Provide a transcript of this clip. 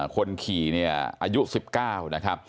คนขี่อายุ๑๙นะครับ